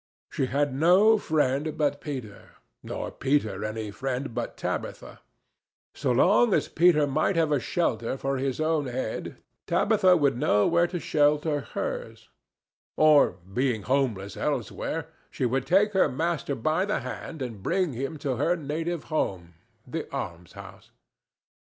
She had no friend but Peter, nor Peter any friend but Tabitha; so long as Peter might have a shelter for his own head, Tabitha would know where to shelter hers, or, being homeless elsewhere, she would take her master by the hand and bring him to her native home, the almshouse.